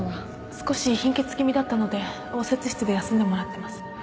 少し貧血気味だったので応接室で休んでもらってます